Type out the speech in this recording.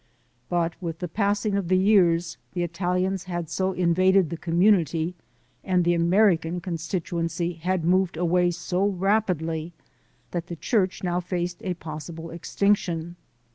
But with the passing of the years the Italians had so invaded the community and the American constituency had moved away so rapidly that the church now faced a possible extinction.